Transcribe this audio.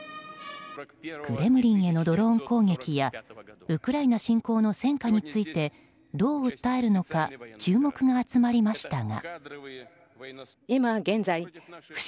クレムリンへのドローン攻撃やウクライナ侵攻の戦果についてどう訴えるのか注目が集まりましたが。